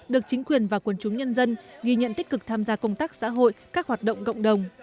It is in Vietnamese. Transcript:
được chính quyền và quân chúng nhân dân ghi nhận tích cực tham gia công tác xã hội các hoạt động cộng đồng